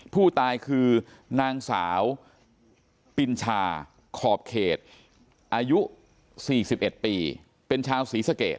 ผู้ตายคือนางสาวปินชาขอบเขตอายุ๔๑ปีเป็นชาวศรีสะเกด